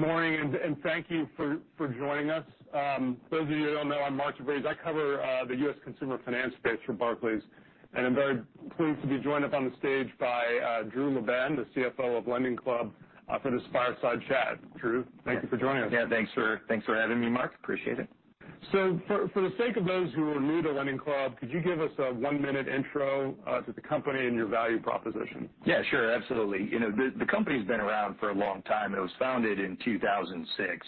Good morning, and thank you for joining us. For those of you who don't know, I'm Mark Gokhale. I cover the U.S. consumer finance space for Barclays, and I'm very pleased to be joined up on the stage by Drew LaBenne, the CFO of LendingClub, for this fireside chat. Drew, thank you for joining us. Yeah, thanks for having me, Mark. Appreciate it. For the sake of those who are new to LendingClub, could you give us a one-minute intro to the company and your value proposition? Yeah, sure. Absolutely. The company's been around for a long time. It was founded in 2006.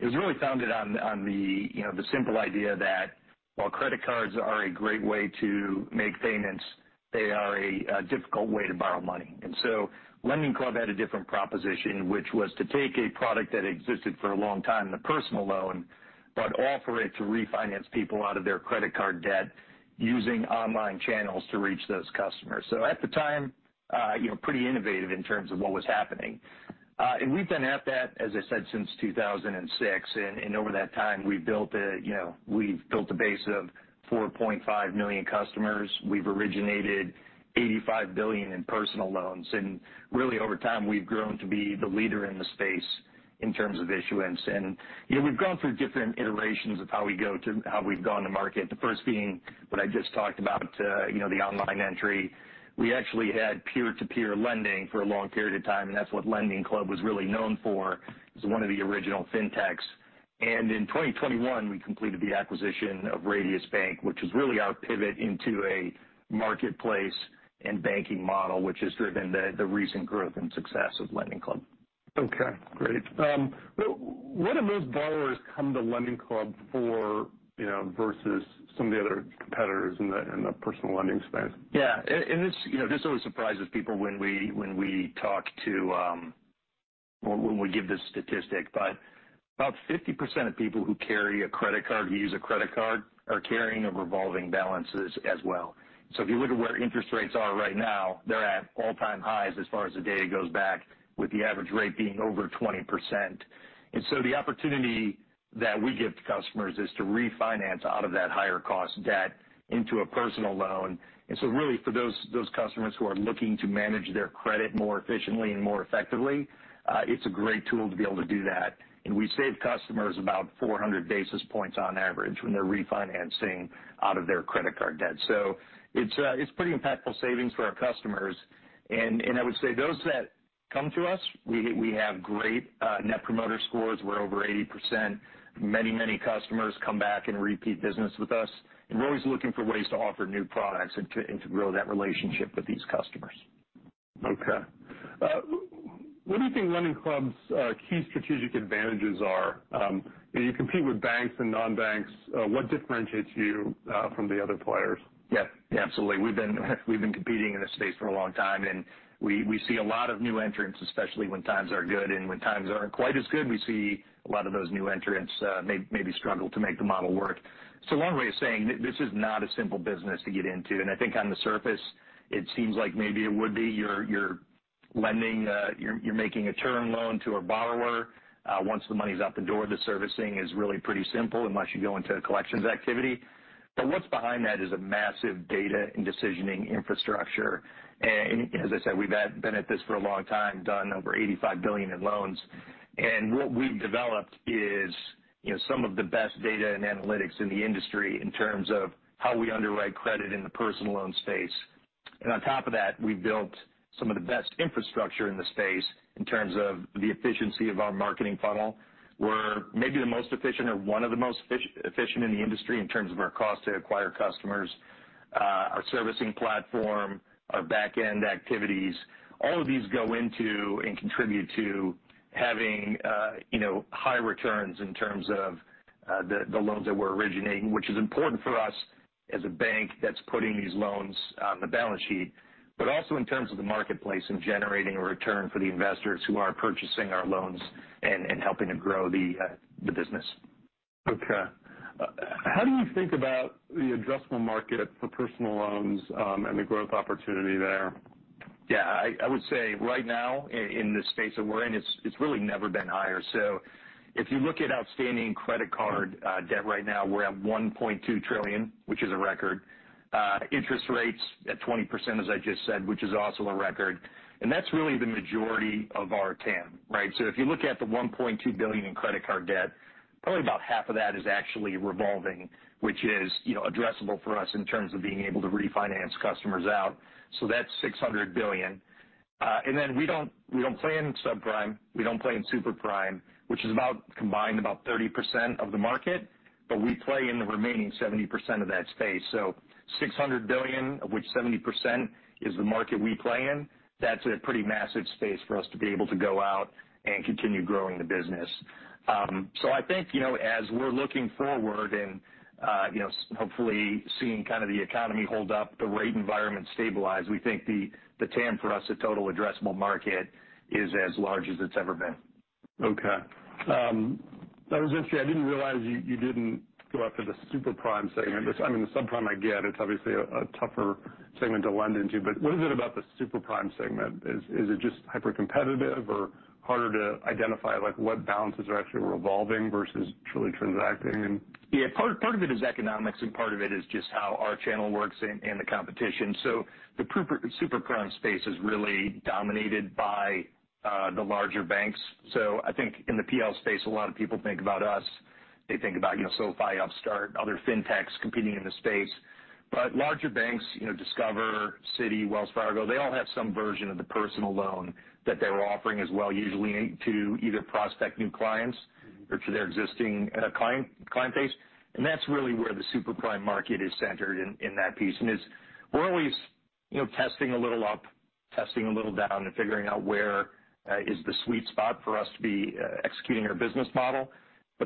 It was really founded on the simple idea that while credit cards are a great way to make payments, they are a difficult way to borrow money. LendingClub had a different proposition, which was to take a product that existed for a long time, the personal loan, but offer it to refinance people out of their credit card debt using online channels to reach those customers. At the time, pretty innovative in terms of what was happening. We've been at that, as I said, since 2006. Over that time, we've built a base of 4.5 million customers. We've originated $85 billion in personal loans. Really, over time, we've grown to be the leader in the space in terms of issuance. We have gone through different iterations of how we go to how we have gone to market, the first being what I just talked about, the online entry. We actually had peer-to-peer lending for a long period of time, and that is what LendingClub was really known for, as one of the original fintechs. In 2021, we completed the acquisition of Radius Bank, which was really our pivot into a marketplace and banking model, which has driven the recent growth and success of LendingClub. Okay. Great. What do most borrowers come to LendingClub for versus some of the other competitors in the personal lending space? Yeah. This always surprises people when we talk to when we give this statistic, but about 50% of people who carry a credit card, who use a credit card, are carrying a revolving balance as well. If you look at where interest rates are right now, they're at all-time highs as far as the data goes back, with the average rate being over 20%. The opportunity that we give to customers is to refinance out of that higher-cost debt into a personal loan. Really, for those customers who are looking to manage their credit more efficiently and more effectively, it's a great tool to be able to do that. We save customers about 400 basis points on average when they're refinancing out of their credit card debt. It's pretty impactful savings for our customers. I would say those that come to us, we have great net promoter scores. We're over 80%. Many, many customers come back and repeat business with us. We're always looking for ways to offer new products and to grow that relationship with these customers. Okay. What do you think LendingClub's key strategic advantages are? You compete with banks and non-banks. What differentiates you from the other players? Yeah. Absolutely. We've been competing in this space for a long time, and we see a lot of new entrants, especially when times are good. When times aren't quite as good, we see a lot of those new entrants maybe struggle to make the model work. Long way of saying, this is not a simple business to get into. I think on the surface, it seems like maybe it would be. You're making a term loan to a borrower. Once the money's out the door, the servicing is really pretty simple unless you go into a collections activity. What's behind that is a massive data and decisioning infrastructure. As I said, we've been at this for a long time, done over $85 billion in loans. What we have developed is some of the best data and analytics in the industry in terms of how we underwrite credit in the personal loan space. On top of that, we have built some of the best infrastructure in the space in terms of the efficiency of our marketing funnel. We are maybe the most efficient or one of the most efficient in the industry in terms of our cost to acquire customers, our servicing platform, our back-end activities. All of these go into and contribute to having high returns in terms of the loans that we are originating, which is important for us as a bank that is putting these loans on the balance sheet, but also in terms of the marketplace and generating a return for the investors who are purchasing our loans and helping to grow the business. Okay. How do you think about the addressable market for personal loans and the growth opportunity there? Yeah. I would say right now, in the space that we're in, it's really never been higher. If you look at outstanding credit card debt right now, we're at $1.2 trillion, which is a record. Interest rates at 20%, as I just said, which is also a record. That's really the majority of our TAM. Right? If you look at the $1.2 trillion in credit card debt, probably about half of that is actually revolving, which is addressable for us in terms of being able to refinance customers out. That's $600 billion. We don't play in subprime. We don't play in superprime, which is combined about 30% of the market, but we play in the remaining 70% of that space. $600 billion, of which 70% is the market we play in, that's a pretty massive space for us to be able to go out and continue growing the business. I think as we're looking forward and hopefully seeing kind of the economy hold up, the rate environment stabilize, we think the TAM for us, the total addressable market, is as large as it's ever been. Okay. That was interesting. I didn't realize you didn't go after the superprime segment. I mean, the subprime, I get it's obviously a tougher segment to lend into, but what is it about the superprime segment? Is it just hyper-competitive or harder to identify what balances are actually revolving versus truly transacting? Yeah. Part of it is economics, and part of it is just how our channel works and the competition. The superprime space is really dominated by the larger banks. I think in the PL space, a lot of people think about us. They think about SoFi, Upstart, other fintechs competing in the space. Larger banks, Discover, Citi, Wells Fargo, they all have some version of the personal loan that they're offering as well, usually to either prospect new clients or to their existing client base. That's really where the superprime market is centered in that piece. We're always testing a little up, testing a little down, and figuring out where is the sweet spot for us to be executing our business model.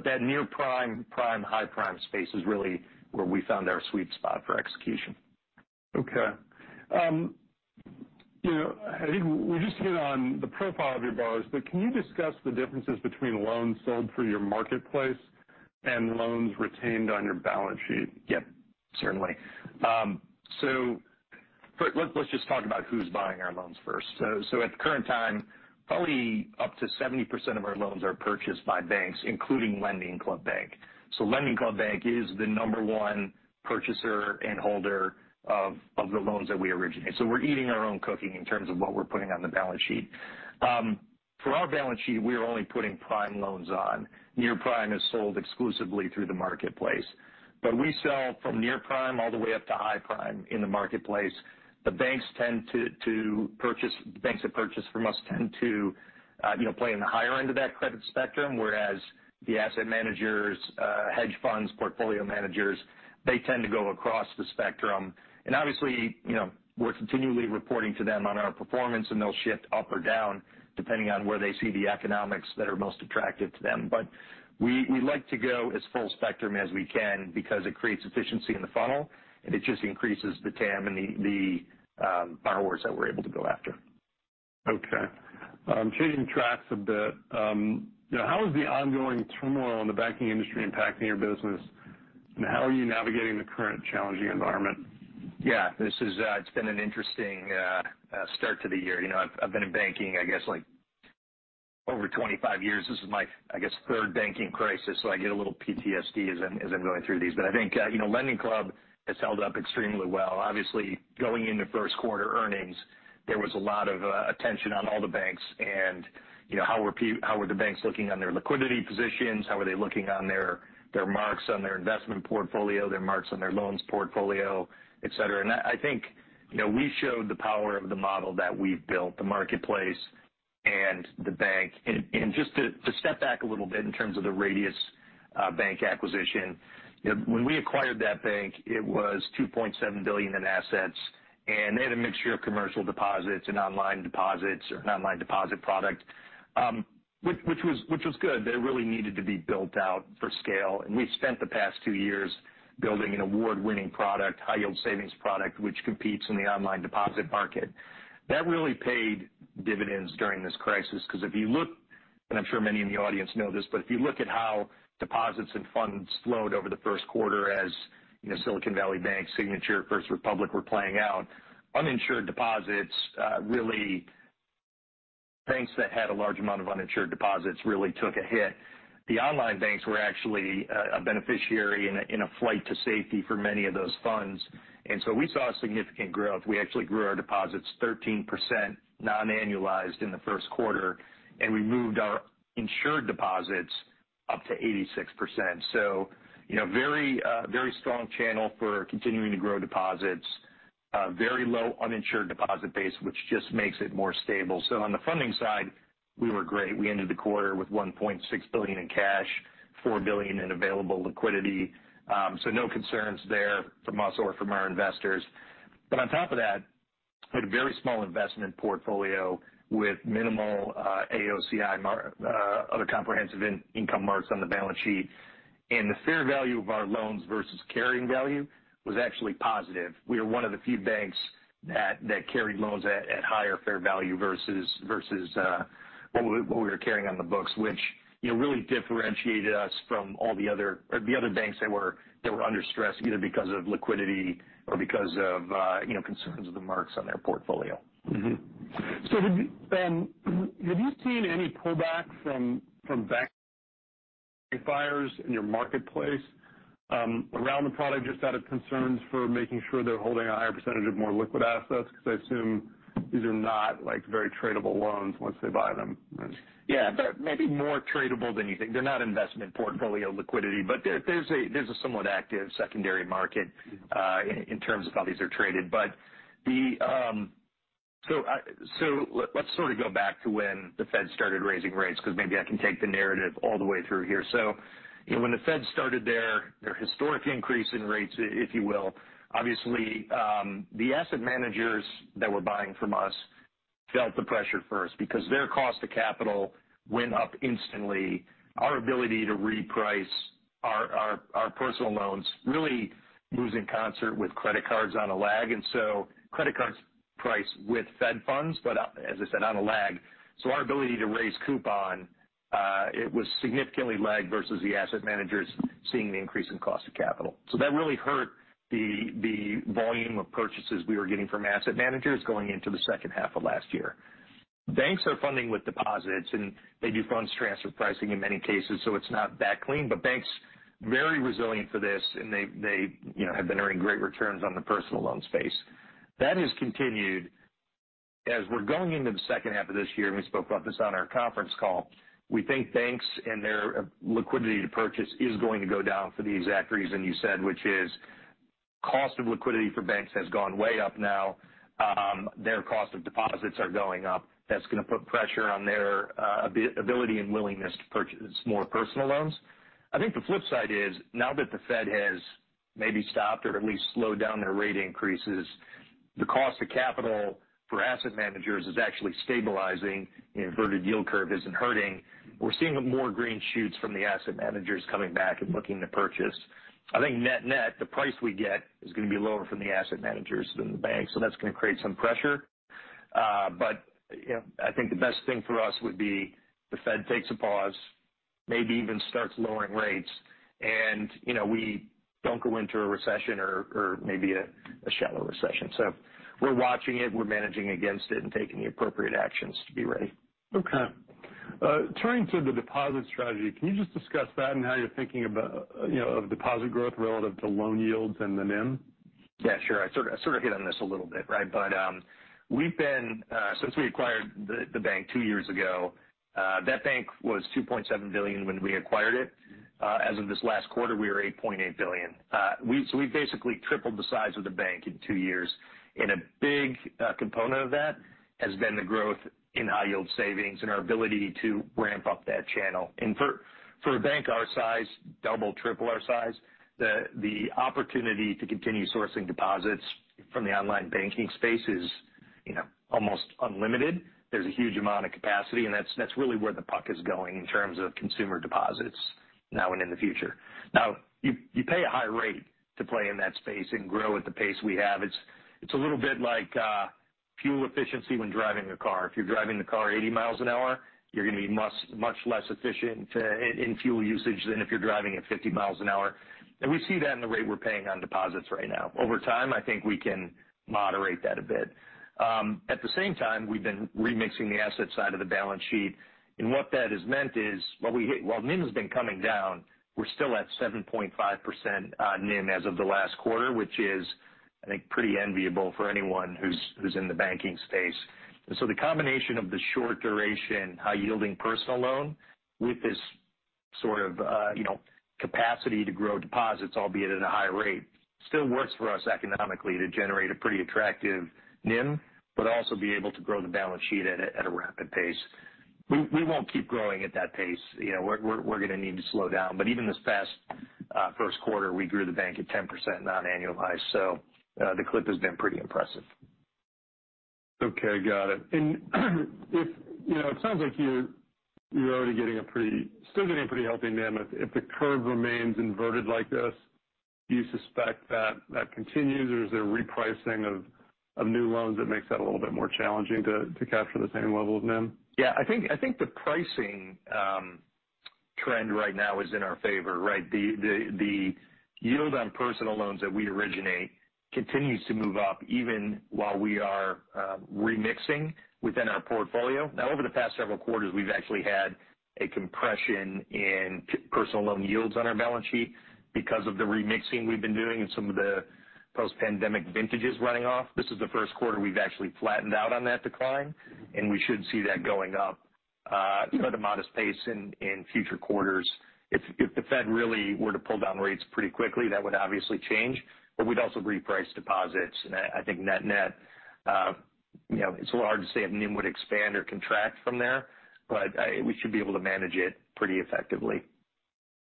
That near-prime, prime, high-prime space is really where we found our sweet spot for execution. Okay. I think we just hit on the profile of your borrowers, but can you discuss the differences between loans sold for your marketplace and loans retained on your balance sheet? Yep. Certainly. Let's just talk about who's buying our loans first. At the current time, probably up to 70% of our loans are purchased by banks, including LendingClub Bank. LendingClub Bank is the number one purchaser and holder of the loans that we originate. We're eating our own cooking in terms of what we're putting on the balance sheet. For our balance sheet, we're only putting prime loans on. Near-prime is sold exclusively through the marketplace. We sell from near-prime all the way up to high-prime in the marketplace. The banks that purchase from us tend to play in the higher end of that credit spectrum, whereas the asset managers, hedge funds, portfolio managers, they tend to go across the spectrum. Obviously, we're continually reporting to them on our performance, and they'll shift up or down depending on where they see the economics that are most attractive to them. We like to go as full spectrum as we can because it creates efficiency in the funnel, and it just increases the TAM and the borrowers that we're able to go after. Okay. Changing tracks a bit. How is the ongoing turmoil in the banking industry impacting your business, and how are you navigating the current challenging environment? Yeah. It's been an interesting start to the year. I've been in banking, I guess, like over 25 years. This is my, I guess, third banking crisis, so I get a little PTSD as I'm going through these. I think LendingClub has held up extremely well. Obviously, going into first-quarter earnings, there was a lot of attention on all the banks and how were the banks looking on their liquidity positions, how were they looking on their marks on their investment portfolio, their marks on their loans portfolio, etc. I think we showed the power of the model that we've built, the marketplace and the bank. To step back a little bit in terms of the Radius Bank acquisition, when we acquired that bank, it was $2.7 billion in assets, and they had a mixture of commercial deposits and online deposits or an online deposit product, which was good. They really needed to be built out for scale. We spent the past two years building an award-winning product, high-yield savings product, which competes in the online deposit market. That really paid dividends during this crisis because if you look—and I'm sure many in the audience know this—if you look at how deposits and funds flowed over the first quarter as Silicon Valley Bank, Signature Bank, First Republic were playing out, uninsured deposits, really, banks that had a large amount of uninsured deposits really took a hit. The online banks were actually a beneficiary in a flight to safety for many of those funds. We saw significant growth. We actually grew our deposits 13% non-annualized in the first quarter, and we moved our insured deposits up to 86%. Very strong channel for continuing to grow deposits, very low uninsured deposit base, which just makes it more stable. On the funding side, we were great. We ended the quarter with $1.6 billion in cash, $4 billion in available liquidity. No concerns there from us or from our investors. On top of that, we had a very small investment portfolio with minimal AOCI, other comprehensive income marks on the balance sheet. The fair value of our loans versus carrying value was actually positive. We were one of the few banks that carried loans at higher fair value versus what we were carrying on the books, which really differentiated us from all the other banks that were under stress, either because of liquidity or because of concerns of the marks on their portfolio. Have you seen any pullback from bank buyers in your marketplace around the product, just out of concerns for making sure they're holding a higher percentage of more liquid assets? Because I assume these are not very tradable loans once they buy them. Yeah. They're maybe more tradable than you think. They're not investment portfolio liquidity, but there's a somewhat active secondary market in terms of how these are traded. Let's sort of go back to when the Fed started raising rates because maybe I can take the narrative all the way through here. When the Fed started their historic increase in rates, if you will, obviously, the asset managers that were buying from us felt the pressure first because their cost of capital went up instantly. Our ability to reprice our personal loans really moves in concert with credit cards on a lag. Credit cards price with Fed funds, but as I said, on a lag. Our ability to raise coupon, it was significantly lagged versus the asset managers seeing the increase in cost of capital. That really hurt the volume of purchases we were getting from asset managers going into the second half of last year. Banks are funding with deposits, and they do funds transfer pricing in many cases, so it's not that clean. Banks are very resilient for this, and they have been earning great returns on the personal loan space. That has continued as we're going into the second half of this year, and we spoke about this on our conference call. We think banks and their liquidity to purchase is going to go down for the exact reason you said, which is cost of liquidity for banks has gone way up now. Their cost of deposits are going up. That's going to put pressure on their ability and willingness to purchase more personal loans. I think the flip side is now that the Fed has maybe stopped or at least slowed down their rate increases, the cost of capital for asset managers is actually stabilizing. The inverted yield curve is not hurting. We're seeing more green shoots from the asset managers coming back and looking to purchase. I think net-net, the price we get is going to be lower from the asset managers than the banks. That is going to create some pressure. I think the best thing for us would be the Fed takes a pause, maybe even starts lowering rates, and we do not go into a recession or maybe a shallow recession. We are watching it. We are managing against it and taking the appropriate actions to be ready. Okay. Turning to the deposit strategy, can you just discuss that and how you're thinking of deposit growth relative to loan yields and the NIM? Yeah. Sure. I sort of hit on this a little bit. Right? But since we acquired the bank two years ago, that bank was $2.7 billion when we acquired it. As of this last quarter, we were $8.8 billion. We've basically tripled the size of the bank in two years. A big component of that has been the growth in high-yield savings and our ability to ramp up that channel. For a bank our size, double, triple our size, the opportunity to continue sourcing deposits from the online banking space is almost unlimited. There's a huge amount of capacity, and that's really where the puck is going in terms of consumer deposits now and in the future. You pay a high rate to play in that space and grow at the pace we have. It's a little bit like fuel efficiency when driving a car. If you're driving the car 80 mi an hour, you're going to be much less efficient in fuel usage than if you're driving at 50 mi an hour. We see that in the rate we're paying on deposits right now. Over time, I think we can moderate that a bit. At the same time, we've been remixing the asset side of the balance sheet. What that has meant is while NIM has been coming down, we're still at 7.5% NIM as of the last quarter, which is, I think, pretty enviable for anyone who's in the banking space. The combination of the short-duration, high-yielding personal loan with this sort of capacity to grow deposits, albeit at a high rate, still works for us economically to generate a pretty attractive NIM, but also be able to grow the balance sheet at a rapid pace. We will not keep growing at that pace. We are going to need to slow down. Even this past first quarter, we grew the bank at 10% non-annualized. The clip has been pretty impressive. Okay. Got it. It sounds like you're already getting a pretty, still getting a pretty healthy NIM. If the curve remains inverted like this, do you suspect that continues, or is there repricing of new loans that makes that a little bit more challenging to capture the same level of NIM? Yeah. I think the pricing trend right now is in our favor. Right? The yield on personal loans that we originate continues to move up even while we are remixing within our portfolio. Now, over the past several quarters, we've actually had a compression in personal loan yields on our balance sheet because of the remixing we've been doing and some of the post-pandemic vintages running off. This is the first quarter we've actually flattened out on that decline, and we should see that going up at a modest pace in future quarters. If the Fed really were to pull down rates pretty quickly, that would obviously change. We'd also reprice deposits. I think net-net, it's a little hard to say if NIM would expand or contract from there, but we should be able to manage it pretty effectively.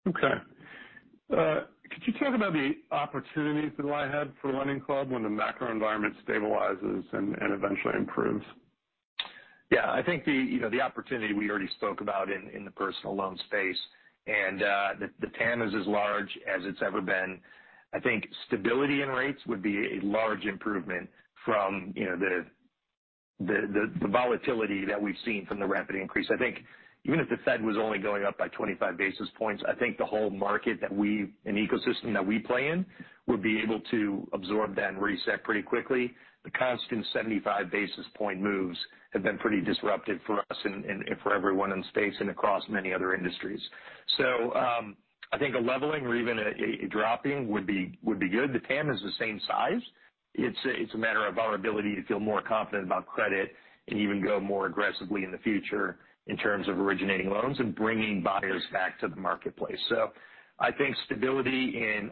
Okay. Could you talk about the opportunities that lie ahead for LendingClub when the macro environment stabilizes and eventually improves? Yeah. I think the opportunity we already spoke about in the personal loan space and the TAM is as large as it's ever been. I think stability in rates would be a large improvement from the volatility that we've seen from the rapid increase. I think even if the Fed was only going up by 25 basis points, I think the whole market that we and ecosystem that we play in would be able to absorb that and reset pretty quickly. The constant 75 basis point moves have been pretty disruptive for us and for everyone in the space and across many other industries. I think a leveling or even a dropping would be good. The TAM is the same size. It's a matter of our ability to feel more confident about credit and even go more aggressively in the future in terms of originating loans and bringing buyers back to the marketplace. I think stability in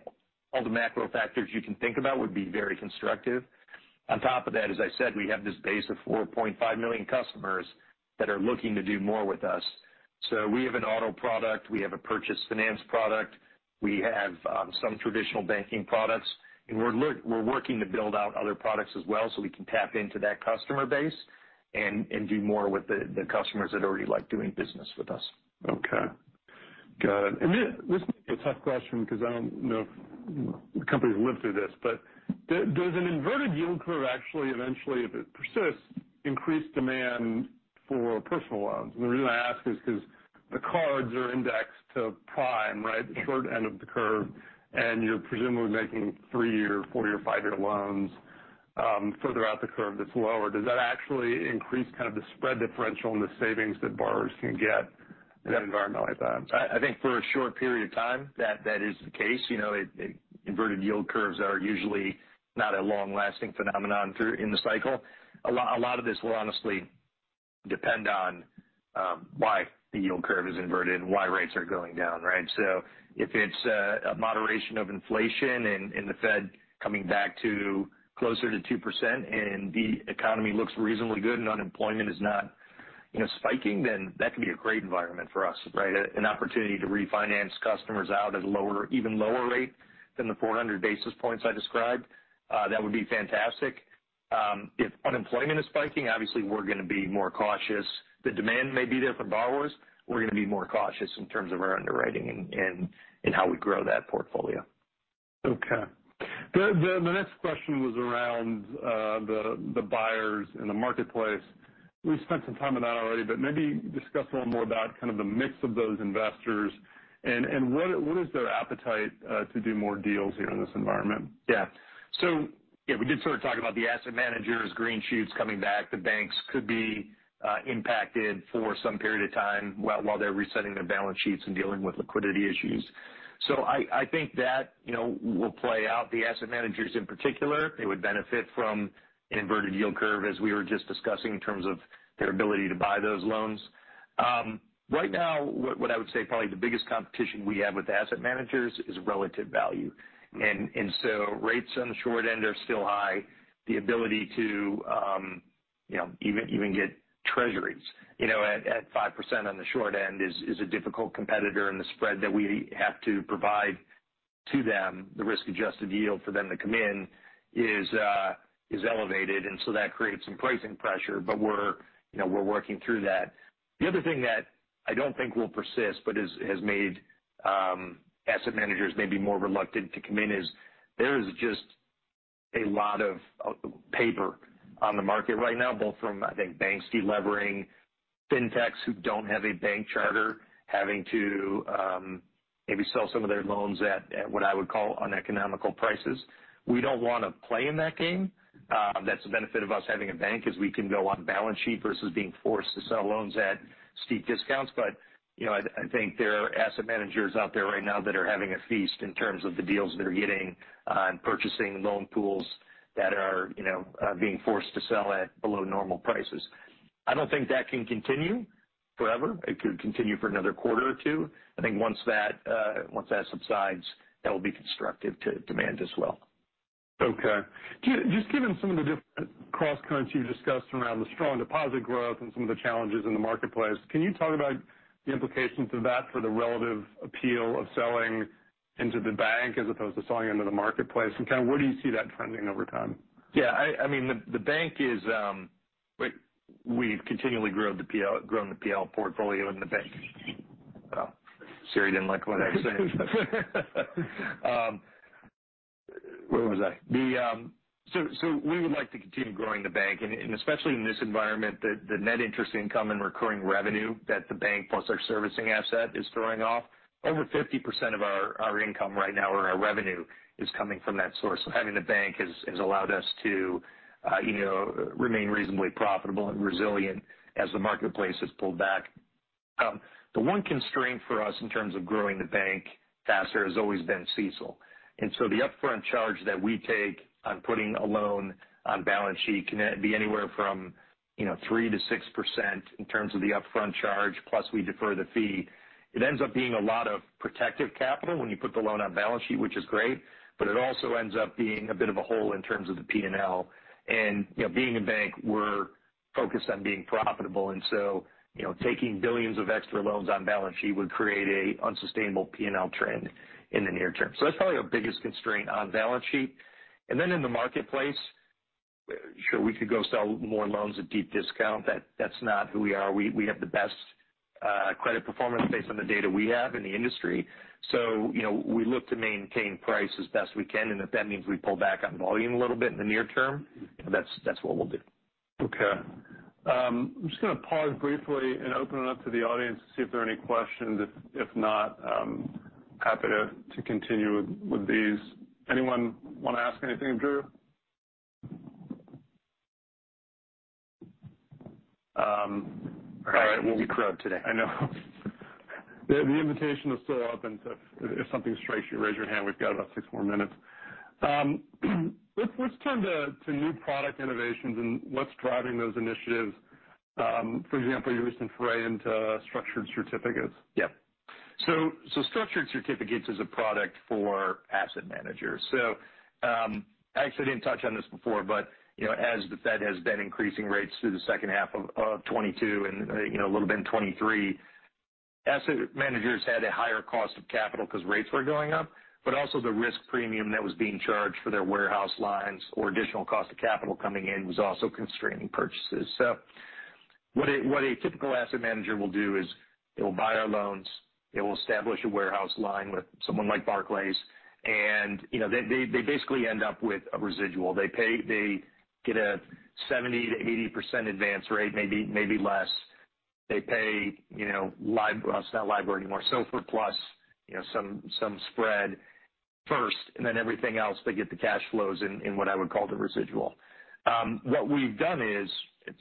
all the macro factors you can think about would be very constructive. On top of that, as I said, we have this base of 4.5 million customers that are looking to do more with us. We have an auto product. We have a purchase finance product. We have some traditional banking products. We're working to build out other products as well so we can tap into that customer base and do more with the customers that already like doing business with us. Okay. Got it. This may be a tough question because I don't know if companies live through this, but does an inverted yield curve actually eventually, if it persists, increase demand for personal loans? The reason I ask is because the cards are indexed to prime, right, the short end of the curve, and you're presumably making three-year, four-year, five-year loans further out the curve that's lower. Does that actually increase kind of the spread differential in the savings that borrowers can get in an environment like that? I think for a short period of time, that is the case. Inverted yield curves are usually not a long-lasting phenomenon in the cycle. A lot of this will honestly depend on why the yield curve is inverted and why rates are going down. Right? If it is a moderation of inflation and the Fed coming back to closer to 2% and the economy looks reasonably good and unemployment is not spiking, then that could be a great environment for us. Right? An opportunity to refinance customers out at a lower, even lower rate than the 400 basis points I described, that would be fantastic. If unemployment is spiking, obviously, we are going to be more cautious. The demand may be there for borrowers. We are going to be more cautious in terms of our underwriting and how we grow that portfolio. Okay. The next question was around the buyers in the marketplace. We spent some time on that already, but maybe discuss a little more about kind of the mix of those investors and what is their appetite to do more deals here in this environment? Yeah. Yeah, we did sort of talk about the asset managers, green shoots coming back. The banks could be impacted for some period of time while they're resetting their balance sheets and dealing with liquidity issues. I think that will play out. The asset managers in particular, they would benefit from an inverted yield curve, as we were just discussing, in terms of their ability to buy those loans. Right now, what I would say probably the biggest competition we have with the asset managers is relative value. Rates on the short end are still high. The ability to even get treasuries at 5% on the short end is a difficult competitor in the spread that we have to provide to them. The risk-adjusted yield for them to come in is elevated, and that creates some pricing pressure, but we're working through that. The other thing that I do not think will persist but has made asset managers maybe more reluctant to come in is there is just a lot of paper on the market right now, both from, I think, banks delivering fintechs who do not have a bank charter having to maybe sell some of their loans at what I would call uneconomical prices. We do not want to play in that game. That is the benefit of us having a bank is we can go on balance sheet versus being forced to sell loans at steep discounts. I think there are asset managers out there right now that are having a feast in terms of the deals they are getting on purchasing loan pools that are being forced to sell at below normal prices. I do not think that can continue forever. It could continue for another quarter or two. I think once that subsides, that will be constructive to demand as well. Okay. Just given some of the different cross-currents you've discussed around the strong deposit growth and some of the challenges in the marketplace, can you talk about the implications of that for the relative appeal of selling into the bank as opposed to selling into the marketplace? Kind of where do you see that trending over time? Yeah. I mean, the bank is we've continually grown the PL portfolio in the bank. Sorry, I didn't like what I was saying. Where was I? We would like to continue growing the bank. Especially in this environment, the net interest income and recurring revenue that the bank plus our servicing asset is throwing off, over 50% of our income right now or our revenue is coming from that source. Having the bank has allowed us to remain reasonably profitable and resilient as the marketplace has pulled back. The one constraint for us in terms of growing the bank faster has always been CESL. The upfront charge that we take on putting a loan on balance sheet can be anywhere from 3%-6% in terms of the upfront charge, plus we defer the fee. It ends up being a lot of protective capital when you put the loan on balance sheet, which is great, but it also ends up being a bit of a hole in terms of the P&L. Being a bank, we're focused on being profitable. Taking billions of extra loans on balance sheet would create an unsustainable P&L trend in the near term. That is probably our biggest constraint on balance sheet. In the marketplace, sure, we could go sell more loans at deep discount. That is not who we are. We have the best credit performance based on the data we have in the industry. We look to maintain price as best we can. If that means we pull back on volume a little bit in the near term, that is what we'll do. Okay. I'm just going to pause briefly and open it up to the audience to see if there are any questions. If not, happy to continue with these. Anyone want to ask anything of Drew? All right. We'll be crude today. I know. The invitation is still open. If something strikes you, raise your hand. We've got about six more minutes. Let's turn to new product innovations and what's driving those initiatives. For example, you recently forayed into structured certificates. Yeah. Structured certificates is a product for asset managers. I actually did not touch on this before, but as the Fed has been increasing rates through the second half of 2022 and a little bit in 2023, asset managers had a higher cost of capital because rates were going up, but also the risk premium that was being charged for their warehouse lines or additional cost of capital coming in was also constraining purchases. What a typical asset manager will do is they will buy our loans. They will establish a warehouse line with someone like Barclays, and they basically end up with a residual. They get a 70-80% advance rate, maybe less. They pay—it is not Libor anymore—Silver Plus, some spread first, and then everything else, they get the cash flows in what I would call the residual. What we've done is,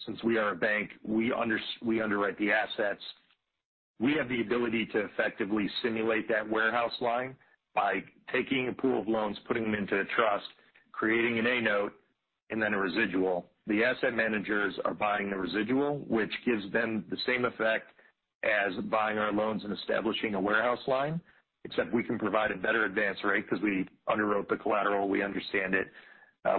since we are a bank, we underwrite the assets. We have the ability to effectively simulate that warehouse line by taking a pool of loans, putting them into a trust, creating an A-note, and then a residual. The asset managers are buying the residual, which gives them the same effect as buying our loans and establishing a warehouse line, except we can provide a better advance rate because we underwrote the collateral. We understand it.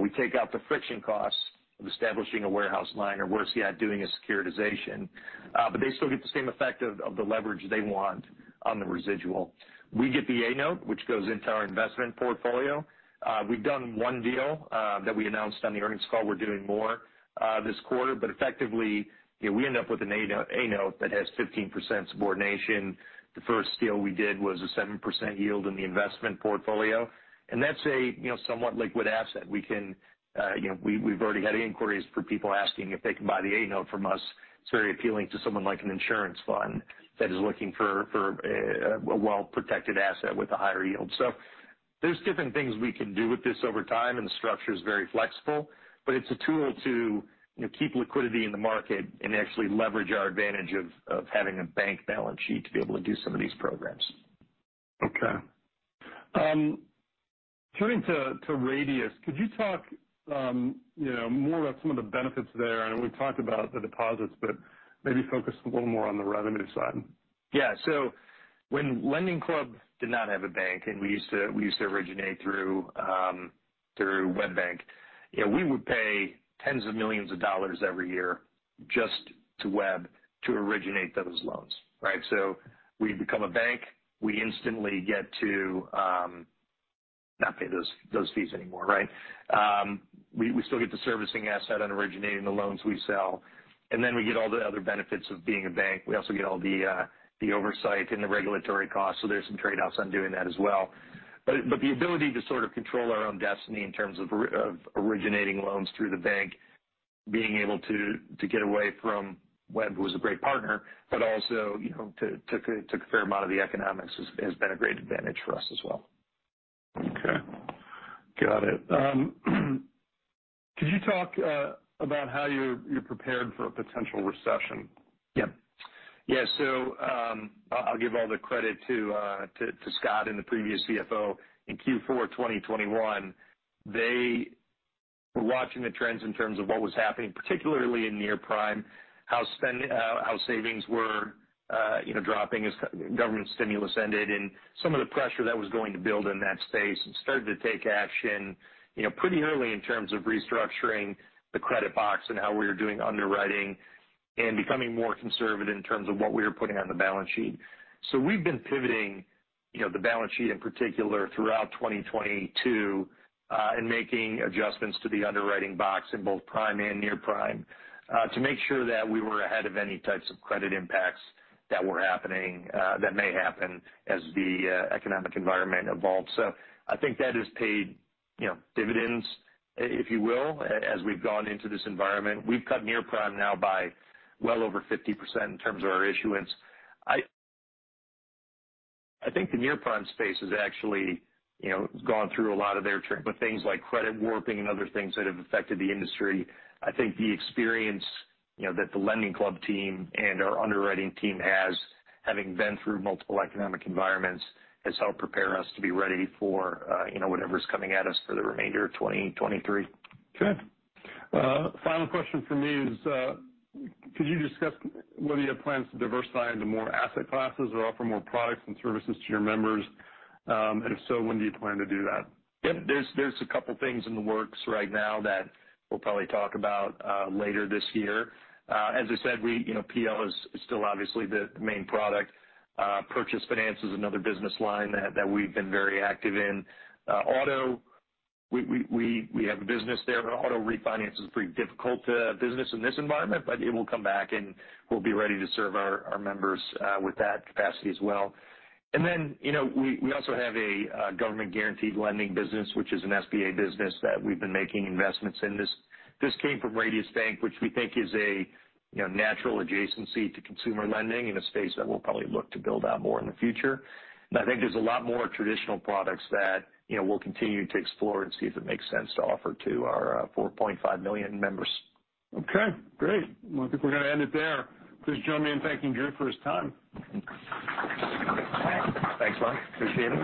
We take out the friction costs of establishing a warehouse line or, worse yet, doing a securitization. They still get the same effect of the leverage they want on the residual. We get the A-note, which goes into our investment portfolio. We've done one deal that we announced on the earnings call. We're doing more this quarter. Effectively, we end up with an A-note that has 15% subordination. The first deal we did was a 7% yield in the investment portfolio. That is a somewhat liquid asset. We can—we have already had inquiries for people asking if they can buy the A-note from us. It is very appealing to someone like an insurance fund that is looking for a well-protected asset with a higher yield. There are different things we can do with this over time, and the structure is very flexible. It is a tool to keep liquidity in the market and actually leverage our advantage of having a bank balance sheet to be able to do some of these programs. Okay. Turning to Radius, could you talk more about some of the benefits there? I know we've talked about the deposits, but maybe focus a little more on the revenue side. Yeah. When LendingClub did not have a bank, and we used to originate through WebBank, we would pay tens of millions of dollars every year just to Web to originate those loans. Right? We become a bank. We instantly get to not pay those fees anymore. Right? We still get the servicing asset and originating the loans we sell. We get all the other benefits of being a bank. We also get all the oversight and the regulatory costs. There are some trade-offs on doing that as well. The ability to sort of control our own destiny in terms of originating loans through the bank, being able to get away from Web, who was a great partner, but also took a fair amount of the economics, has been a great advantage for us as well. Okay. Got it. Could you talk about how you're prepared for a potential recession? Yeah. Yeah. I'll give all the credit to Scott and the previous CFO in Q4 2021. They were watching the trends in terms of what was happening, particularly in near prime, how savings were dropping as government stimulus ended, and some of the pressure that was going to build in that space and started to take action pretty early in terms of restructuring the credit box and how we were doing underwriting and becoming more conservative in terms of what we were putting on the balance sheet. We have been pivoting the balance sheet in particular throughout 2022 and making adjustments to the underwriting box in both prime and near prime to make sure that we were ahead of any types of credit impacts that were happening that may happen as the economic environment evolved. I think that has paid dividends, if you will, as we've gone into this environment. We've cut near prime now by well over 50% in terms of our issuance. I think the near prime space has actually gone through a lot of their with things like credit warping and other things that have affected the industry. I think the experience that the LendingClub team and our underwriting team has, having been through multiple economic environments, has helped prepare us to be ready for whatever's coming at us for the remainder of 2023. Okay. Final question for me is, could you discuss whether you have plans to diversify into more asset classes or offer more products and services to your members? If so, when do you plan to do that? Yep. There are a couple of things in the works right now that we'll probably talk about later this year. As I said, PL is still obviously the main product. Purchase finance is another business line that we've been very active in. Auto, we have a business there. Auto refinance is a pretty difficult business in this environment, but it will come back, and we'll be ready to serve our members with that capacity as well. We also have a government-guaranteed lending business, which is an SBA business that we've been making investments in. This came from Radius Bank, which we think is a natural adjacency to consumer lending in a space that we'll probably look to build out more in the future. I think there's a lot more traditional products that we'll continue to explore and see if it makes sense to offer to our 4.5 million members. Okay. Great. I think we're going to end it there. Please join me in thanking Drew for his time. Thanks, Mark. Appreciate it.